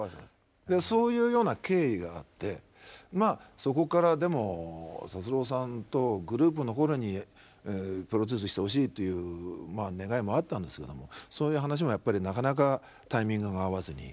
そういうような経緯があってまあそこからでも達郎さんとグループの頃にプロデュースしてほしいという願いもあったんですけどもそういう話もやっぱりなかなかタイミングが合わずに。